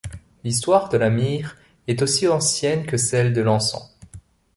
L'histoire de la myrrhe est aussi ancienne que celle de l'encens.